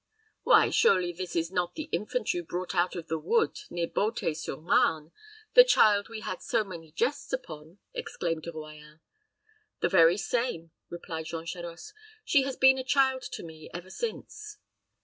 "Why, surely this is not the infant you brought out of the wood near Beauté sur Marne the child we had so many jests upon?" exclaimed De Royans. "The very same," replied Jean Charost. "She has been as a child to me ever since."